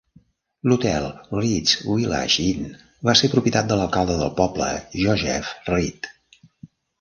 L'Hotel Reid's Village Inn, va ser propietat de l'alcalde del poble, Joseph Reid.